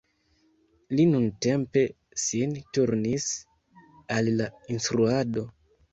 Li nuntempe sin turnis al la instruado.